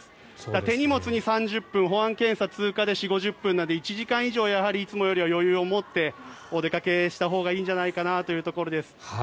手荷物に３０分保安検査通過で４０５０分なので１時間以上いつもより余裕を持ってお出かけしたほうがいいんじゃないかなというところです。